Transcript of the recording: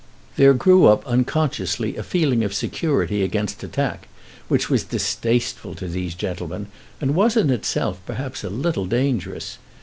There grew up unconsciously a feeling of security against attack which was distasteful to these gentlemen, and was in itself perhaps a little dangerous.